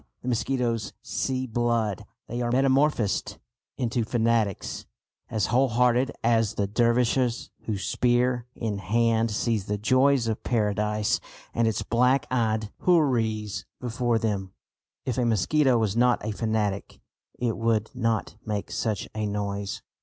The mosquitoes "see blood." They are metamorphosed into fanatics as wholehearted as the Dervishes who, spear in hand, see the joys of Paradise and its black eyed houris before them. If a mosquito was not a fanatic, it would not make such a noise.